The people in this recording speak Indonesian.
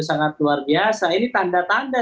sangat luar biasa ini tanda tanda